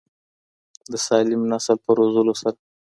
د سالم نسل په روزلو سره.